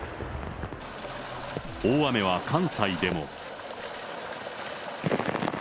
大雨は関西でも。